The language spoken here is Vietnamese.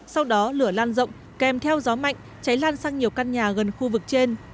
sau đó lửa lan rộng kèm theo gió mạnh cháy lan sang nhiều căn nhà gần khu vực trên